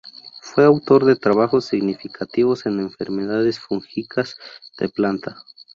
Fue autor de trabajos significativos en enfermedades fúngicas de planta.